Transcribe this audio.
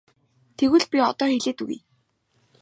Тэгвэл би одоо хэлээд өгье.